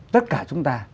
tất cả chúng ta